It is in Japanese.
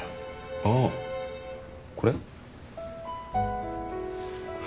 ああこれ？